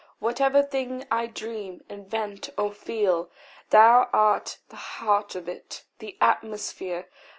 Whatever thing I dream, invent, or feel, Thou art the heart of it, the atmosphere.